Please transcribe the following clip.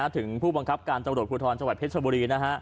ถึงผู้บังคับการตำรวจภูทรจังหวัดเพชรชบุรี